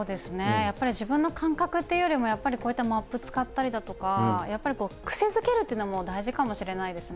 やっぱり自分の感覚というのはやっぱりこういったマップ使ったりだとか、やっぱり癖づけるというのも大事かもしれないですね。